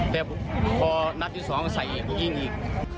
เจ็บพอนอีกนัดทีสองใส่ยิงอีก